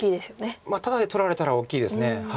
タダで取られたら大きいです。